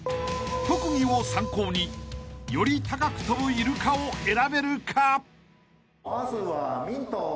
［特技を参考により高く跳ぶイルカを選べるか］